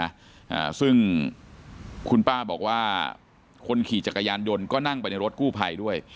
อ่าซึ่งคุณป้าบอกว่าคนขี่จักรยานยนต์ก็นั่งไปในรถกู้ภัยด้วย